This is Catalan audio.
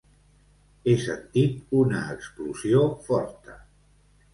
He sentit una explosió forta.